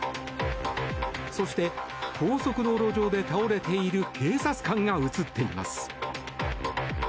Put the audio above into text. そして、高速道路上で倒れている警察官が映っています。